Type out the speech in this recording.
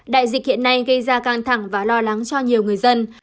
đại dịch hiện nay gây ra căng thẳng và lo lắng cho nhiều người dân